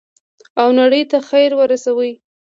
او نړۍ ته خیر ورسوي.